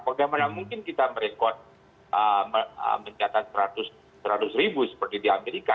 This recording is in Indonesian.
bagaimana mungkin kita merekod mencatat seratus ribu seperti di amerika